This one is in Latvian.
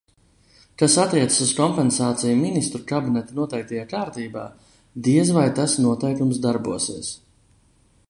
Kas attiecas uz kompensāciju Ministru kabineta noteiktajā kārtībā, diez vai tas noteikums darbosies.